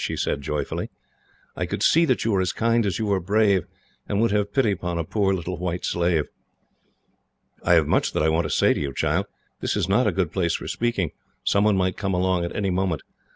she said joyfully. "I could see that you were as kind as you were brave, and would have pity upon a poor little white slave!" "I have much that I want to say to you, child. This is not a good place for speaking. Someone might come along at any moment.